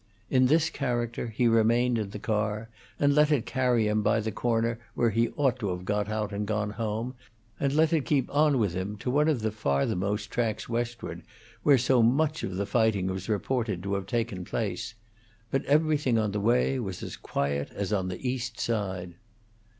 In this character he remained in the car and let it carry him by the corner where he ought to have got out and gone home, and let it keep on with him to one of the farthermost tracks westward, where so much of the fighting was reported to have taken place. But everything on the way was as quiet as on the East Side.